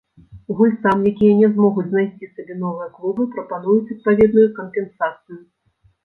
Гульцам, якія не змогуць знайсці сабе новыя клубы, прапануюць адпаведную кампенсацыю.